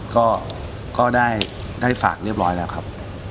ก็ได้ฝากเรียบร้อยแล้วครับ